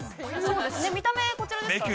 見た目のこちらですからね。